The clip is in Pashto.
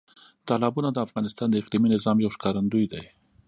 تالابونه د افغانستان د اقلیمي نظام یو ښکارندوی دی.